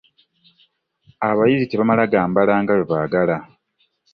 Abazannyi tebamala gambala nga bwe baagala.